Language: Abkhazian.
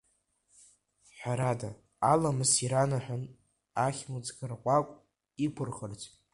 Ҳәарада, Аламыс иранаҳәон ахьмыӡӷ рҟәаҟә иқәырхырц.